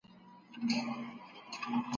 چېري د ځوانانو پارلمانونه فعالیت کوي؟